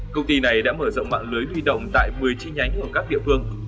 công ty này đã mở rộng mạng lưới huy động tại một mươi chi nhánh ở các địa phương